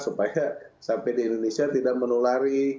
supaya sampai di indonesia tidak menulari